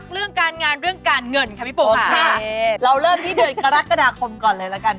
เราอยากจะเรียกเป็นพี่ปู่โยชน์นักมันยักษ์